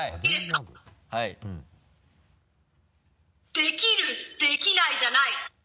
できるできないじゃない。